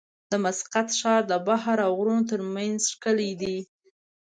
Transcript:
د مسقط ښار د بحر او غرونو ترمنځ ښکلی دی.